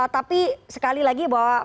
tapi sekali lagi bahwa